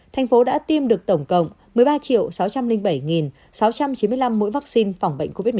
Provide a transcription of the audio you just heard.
thành phố đã tiêm được tổng cộng một mươi ba sáu trăm linh bảy sáu trăm chín mươi năm mũi vaccine phòng bệnh covid một mươi chín